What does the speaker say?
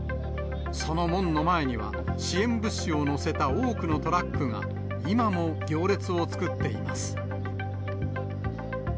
その門の前には支援物資を載せた多くのトラックが、今も行列を作っています。